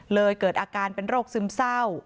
เกิดอาการเป็นโรคซึมเศร้า